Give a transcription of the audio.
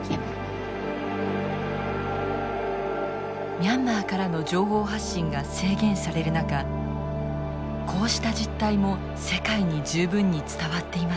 ミャンマーからの情報発信が制限される中こうした実態も世界に十分に伝わっていません。